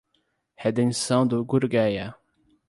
Redenção do Gurgueia